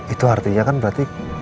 itu artinya kan berarti